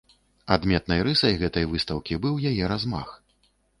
Адметнай рысай гэтай выстаўкі быў яе размах.